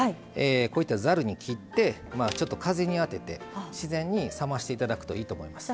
こういったざるにきってちょっと風に当てて自然に冷まして頂くといいと思います。